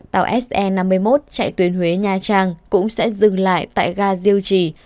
tàu se năm mươi một chạy tuyến huế nha trang cũng sẽ dừng lại tại ga diêu trì